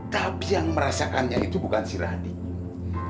tapi yang merasakannya itu bukan si rading